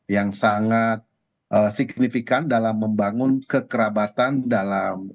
yang sangat signifikan dalam membangun kekerabatan dalam